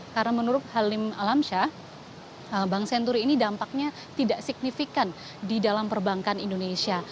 karena menurut halim alamsyah bank senturi ini dampaknya tidak signifikan di dalam perbankan indonesia